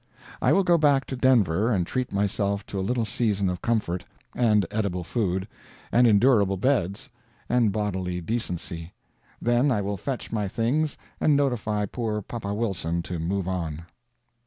I will go hack to Denver and treat myself to a little season of comfort, and edible food, and endurable beds, and bodily decency; then I will fetch my things, and notify poor papa Wilson to move on.